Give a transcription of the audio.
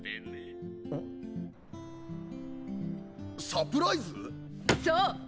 サプライズ⁉そう！